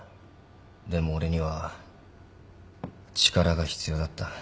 でも俺には力が必要だった。